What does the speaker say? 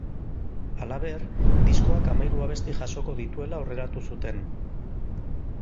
Halaber, diskoak hamahiru abesti jasoko dituela aurreratu zuten.